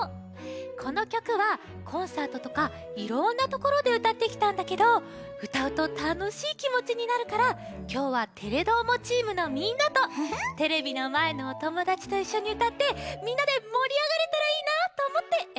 このきょくはコンサートとかいろんなところでうたってきたんだけどうたうとたのしいきもちになるからきょうは「テレどーも！」チームのみんなとテレビのまえのおともだちといっしょにうたってみんなでもりあがれたらいいなとおもってえらびました。